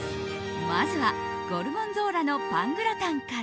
まずは、ゴルゴンゾーラのパングラタンから。